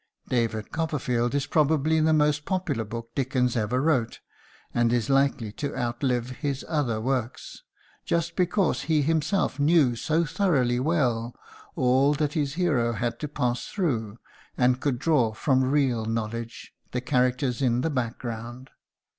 "David Copperfield" is probably the most popular book Dickens ever wrote, and is likely to outlive his other works, just because he himself knew so thoroughly well all that his hero had to pass through, and could draw from real knowledge the characters in the background.